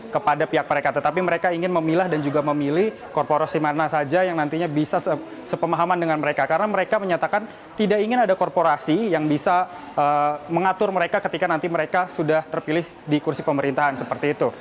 kepada pihak mereka tetapi mereka ingin memilah dan juga memilih korporasi mana saja yang nantinya bisa sepemahaman dengan mereka karena mereka menyatakan tidak ingin ada korporasi yang bisa mengatur mereka ketika nanti mereka sudah terpilih di kursi pemerintahan seperti itu